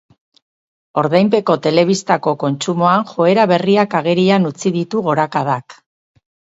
Ordainpeko telebistako kontsumoan joera berriak agerian utzi ditu gorakadak.